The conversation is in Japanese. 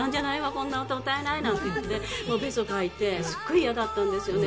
こんな歌歌えない」なんて言ってべそかいてすっごい嫌だったんですよね。